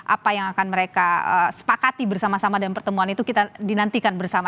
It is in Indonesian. apa yang akan mereka sepakati bersama sama dan pertemuan itu kita dinantikan bersama